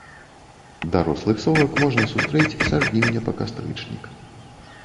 Дарослых совак можна сустрэць са жніўня па кастрычнік.